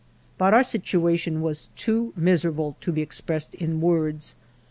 But our situation was too miserable to be expressed in words.